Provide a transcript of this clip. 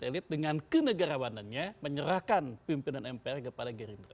elit dengan kenegarawanannya menyerahkan pimpinan mpr kepada gerindra